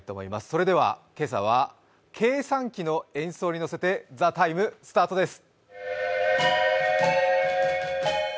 それでは今朝は計算機の演奏にのせて「ＴＨＥＴＩＭＥ，」スタートです。